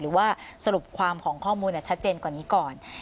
หรือว่าสรุปความของข้อมูลชัดเจนกว่านี้ก่อน